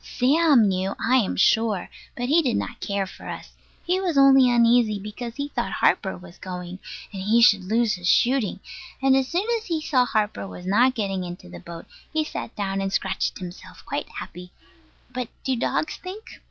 Sam knew, I am sure; but he did not care for us. He was only uneasy because he thought Harper was going, and he should lose his shooting; and as soon as he saw Harper was not getting into the boat, he sat down and scratched himself, quite happy. But do dogs think?